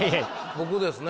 僕ですね。